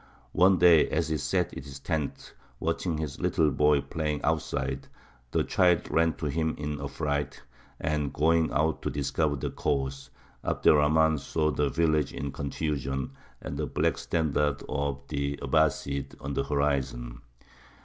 One day, as he sat in his tent watching his little boy playing outside, the child ran to him in affright, and, going out to discover the cause, Abd er Rahmān saw the village in confusion, and the black standards of the Abbāsides on the horizon.